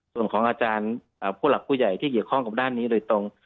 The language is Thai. ส่วนของอาจารย์ผู้หลักผู้ใหญ่ที่เกี่ยวข้องกับด้านนี้โดยตรง